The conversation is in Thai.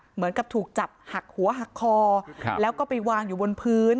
เหมือนกับถูกจับหักหัวหักคอแล้วก็ไปวางอยู่บนพื้น